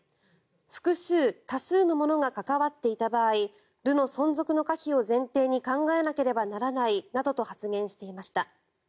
複数、多数の者が関わっていた場合部の存続の可否を前提に考えなければならないなどと発言していました。